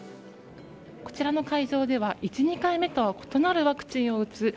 こちらの会場では１２回目とは異なるワクチンを打つ